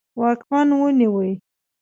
واکمن ونیوی.